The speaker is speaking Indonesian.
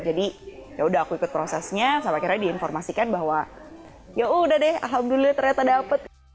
jadi yaudah aku ikut prosesnya sampai akhirnya diinformasikan bahwa yaudah deh alhamdulillah ternyata dapet